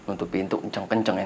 untuk pintu kenceng kenceng